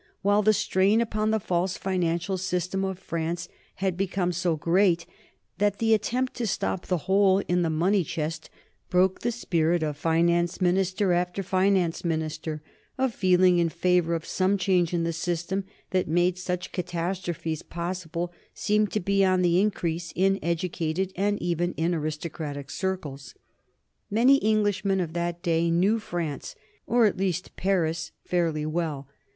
While the strain upon the false financial system of France had become so great that the attempt to stop the hole in the money chest broke the spirit of finance minister after finance minister, a feeling in favor of some change in the system that made such catastrophes possible seemed to be on the increase in educated and even in aristocratic circles. Many Englishmen of that day knew France, or at least Paris, fairly well.